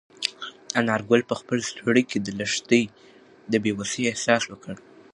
انارګل په خپل زړه کې د لښتې د بې وسۍ احساس وکړ.